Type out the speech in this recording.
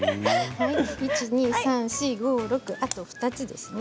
１、２、３、４、５、６あと２つですね。